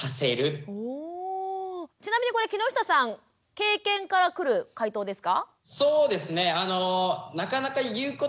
ちなみにこれ木下さん経験から来る解答ですか？